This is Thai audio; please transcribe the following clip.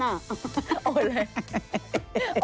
โอนเลย